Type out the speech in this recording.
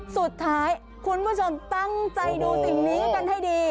สุดท้ายคุณผู้ชมตั้งใจดูสิ่งนี้กันให้ดี